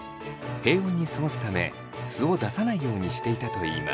平穏に過ごすため素を出さないようにしていたと言います。